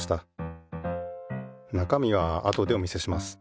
なかみはあとでお見せします。